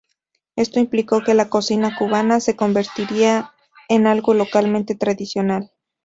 Esto implicó que la cocina cubana se convirtiera en algo localmente tradicional.